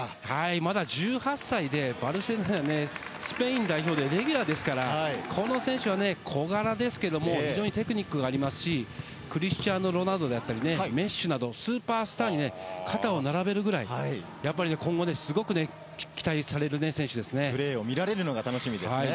まだ１８歳でバルセロナでね、スペイン代表でレギュラーですから、この選手はね、小柄ですけれども、非常にテクニックがありますし、クリスティアーノ・ロナウドであったり、メッシなど、スーパースターに肩を並べるぐらい、やっぱり今後ね、プレーを見られるのが楽しみですね。